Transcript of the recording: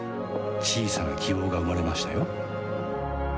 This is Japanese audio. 小さな希望が生まれましたよ